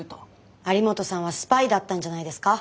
有本さんはスパイだったんじゃないですか？